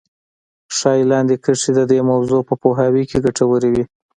ښايي لاندې کرښې د دې موضوع په پوهاوي کې ګټورې وي.